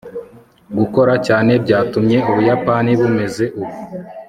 gukora cyane byatumye ubuyapani bumeze ubu